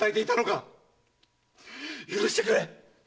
許してくれ！